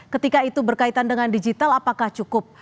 ketika itu berkaitan dengan digital apakah cukup